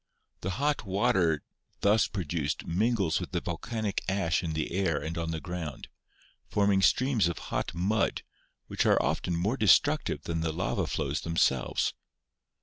The hot water thus produced mingles with the volcanic ash in the air and on the ground, forming streams of hot mud, which are often more destructive than the lava flows them selves.